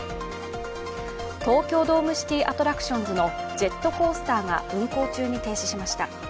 東京ドームシティアトラクションズのジェットコースターが運行中に停止しました。